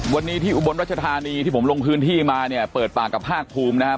วันนี้ที่อุบลรัชธานีที่ผมลงพื้นที่มาเนี่ยเปิดปากกับภาคภูมินะครับ